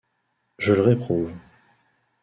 Je le réprouve.